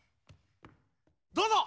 どうぞ！